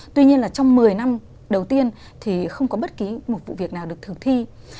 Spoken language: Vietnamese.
tuy nhiên là trong một mươi năm đầu tiên thì không có bất kỳ một vụ việc nào được thường thi